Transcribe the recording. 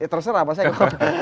ya terserah mas eko